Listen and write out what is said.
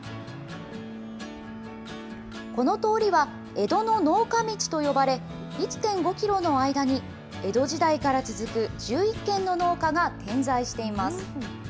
この通りは江戸の農家みちと呼ばれ、１．５キロの間に江戸時代から続く１１軒の農家が点在しています。